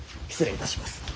失礼いたします。